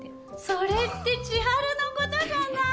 それって千晴のことじゃない。